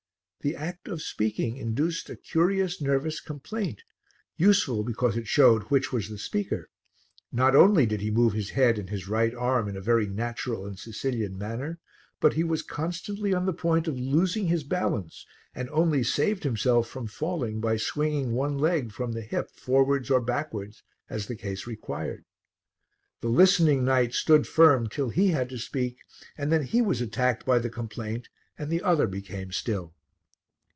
The act of speaking induced a curious nervous complaint, useful because it showed which was the speaker; not only did he move his head and his right arm in a very natural and Sicilian manner, but he was constantly on the point of losing his balance, and only saved himself from falling by swinging one leg from the hip forwards or backwards as the case required. The listening knight stood firm till he had to speak, and then he was attacked by the complaint and the other became still.